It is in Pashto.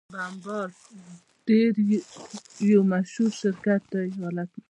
بمبارډیر یو مشهور شرکت دی.